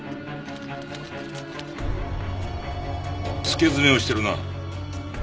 付け爪をしてるな。